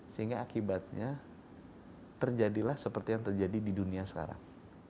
sehingga akibatnya terjadilah seperti yang terjadi di dunia sekarang